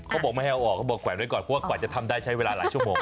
เขาบอกไม่ให้เอาออกเขาบอกแขวนไว้ก่อนเพราะว่ากว่าจะทำได้ใช้เวลาหลายชั่วโมง